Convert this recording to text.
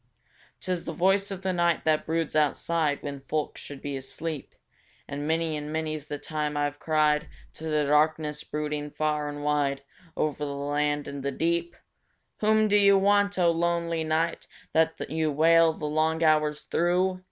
'Tis the voice of the night that broods outside When folk should be asleep, And many and many's the time I've cried To the darkness brooding far and wide Over the land and the deep: "Whom do you want, O lonely night, That you wail the long hours through?"